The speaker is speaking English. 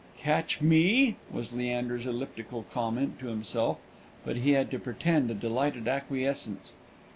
"Catch me!" was Leander's elliptical comment to himself; but he had to pretend a delighted acquiescence.